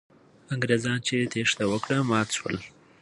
انګریزان چې تېښته یې وکړه، مات سول.